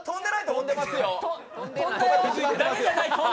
飛んでますよ。